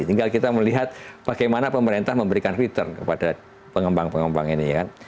tinggal kita melihat bagaimana pemerintah memberikan return kepada pengembang pengembang ini kan